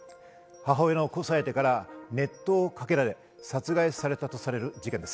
母親の交際相手から熱湯をかけられ殺害されたとされる事件です。